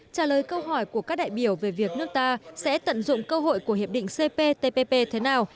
trả lời câu hỏi của các đại biểu về việc nước ta sẽ tận dụng cơ hội của hiệp định cptpp thế nào